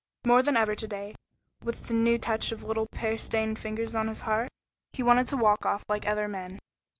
More than ever to day, with the new touch of little pear stained fingers on his heart, he wanted to walk off like other men.